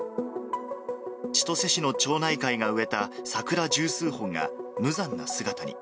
千歳市の町内会が植えた桜十数本が無残な姿に。